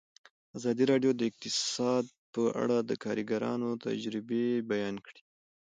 ازادي راډیو د اقتصاد په اړه د کارګرانو تجربې بیان کړي.